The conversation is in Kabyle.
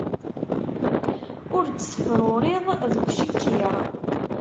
Ur d-tefruriḍ deg ucekkiṛ